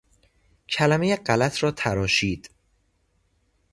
کلمهٔ غلط را تراشید.